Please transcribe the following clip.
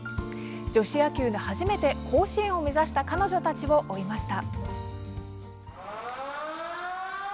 女子野球で初めて甲子園を目指した彼女たちを追いました。